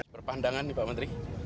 perpandangan nih pak menteri